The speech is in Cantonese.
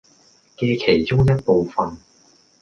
嘅其中一部分